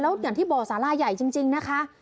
แล้วอย่างที่บ่อสาราใหญ่จริงนะคะ